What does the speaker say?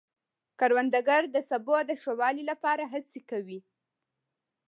کروندګر د سبو د ښه والي لپاره هڅې کوي